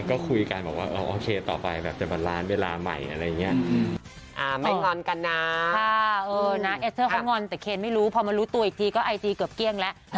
ก็คุยกันบอกว่าโอเคต่อไปแบบจะมาร้านเวลาใหม่อะไรอย่างนี้